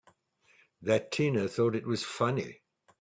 That Tina thought it was funny!